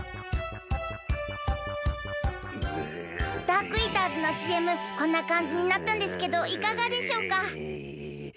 ダークイーターズのＣＭこんなかんじになったんですけどいかがでしょうか？